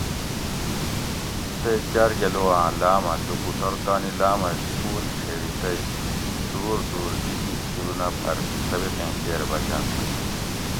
بیوں تے کارگلوآۤں لاۤمہ لوکوٹور تانی لامہ سکول چھیری تئی دور دور دی دی سکولونہ پھر سبقیں کیر بچنت